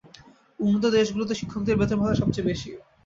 উন্নত দেশগুলোতে শিক্ষকদের বেতন ভাতা সবচেয়ে বেশি।